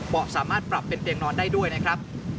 สามารถปรับเป็นเตียงนอนได้ด้วยนะครับ